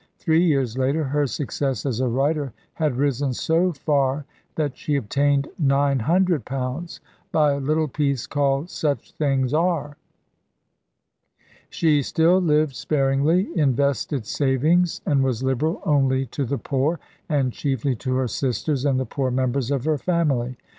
Three years later her success as a writer had risen so far that she obtained nine hundred pounds by a little piece called "Such Things Are." She still lived sparingly, invested savings, and was liberal only to the poor, and chiefly to her sisters and the poor members of her family.